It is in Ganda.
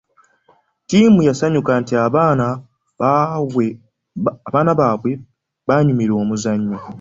Ttiimi yasanyuka nti abaana baabwe baanyumirwa omuzannyo.